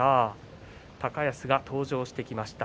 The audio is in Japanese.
高安が登場してきました。